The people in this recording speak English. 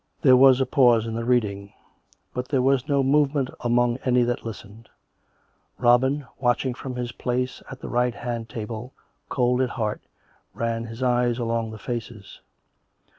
'" There was a pause in the reading; but there was no movement among any that listened. Robin, watching from his place at the right hand table, cold at heart, ran his eyes along the faces.